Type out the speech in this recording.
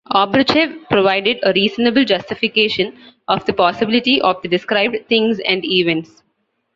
Obruchev provided a reasonable justification of the possibility of the described things and events.